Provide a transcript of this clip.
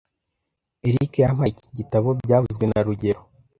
Eric yampaye iki gitabo byavuzwe na rugero